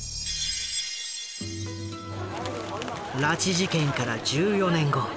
拉致事件から１４年後。